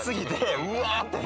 うわって。